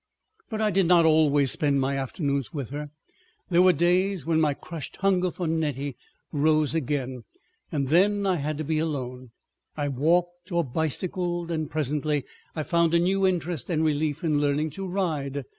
But I did not always spend my afternoons with her. There were days when my crushed hunger for Nettie rose again, and then I had to be alone; I walked, or bicycled, and presently I found a new interest and relief in learning to ride.